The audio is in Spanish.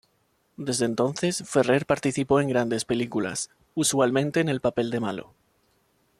Desde entonces Ferrer participó en grandes películas, usualmente en el papel de malo.